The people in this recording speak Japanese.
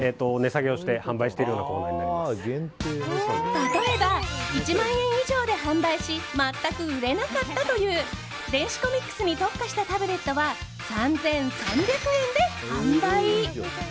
例えば、１万円以上で販売し全く売れなかったという電子コミックスに特化したタブレットは３３００円で販売。